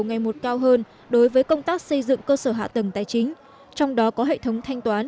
ngày một cao hơn đối với công tác xây dựng cơ sở hạ tầng tài chính trong đó có hệ thống thanh toán